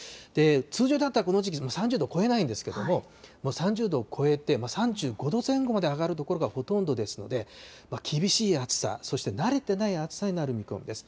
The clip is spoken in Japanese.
通常であったらこの時期、３０度を超えないんですけれども、３０度を超えて３５度前後まで上がる所がほとんどですので、厳しい暑さ、そして慣れてない暑さになる見込みです。